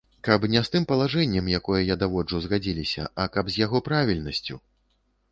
Каб не з тым палажэннем, якое я даводжу, згадзіліся, а каб з яго правільнасцю.